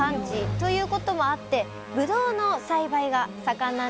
ということもあってぶどうの栽培が盛んなんですよね